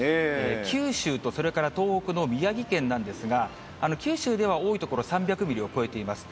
九州とそれから東北の宮城県なんですが、九州では多い所、３００ミリを超えています。